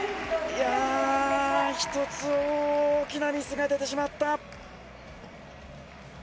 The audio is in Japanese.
１つ大きなミスが出てしまった。